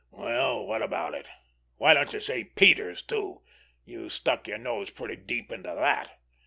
"Well, what about it! Why don't you say Peters, too? You stuck your nose pretty deep into that!"